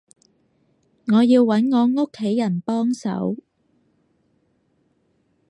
我要揾我屋企人幫手